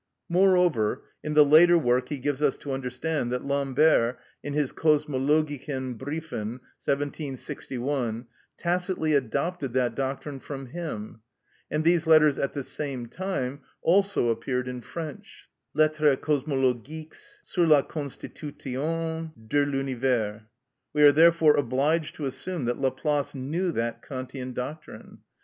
Moreover, in the later work he gives us to understand that Lambert in his "Kosmologischen Briefen," 1761, tacitly adopted that doctrine from him, and these letters at the same time also appeared in French (Lettres Cosmologiques sur la Constitution de l'Univers). We are therefore obliged to assume that Laplace knew that Kantian doctrine.